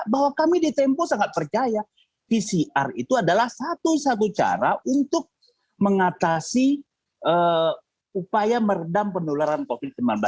bahwa kami di tempo sangat percaya pcr itu adalah satu satu cara untuk mengatasi upaya meredam penularan covid sembilan belas